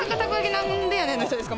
何でやねんの人ですか？